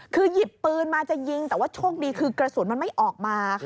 คือหยิบปืนมาจะยิงแต่ว่าโชคดีคือกระสุนมันไม่ออกมาค่ะ